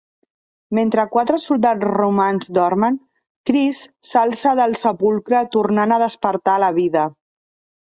Mentre quatre soldats romans dormen, Crist s'alça del sepulcre tornant a despertar a la vida.